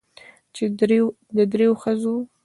چې د درېو ښځې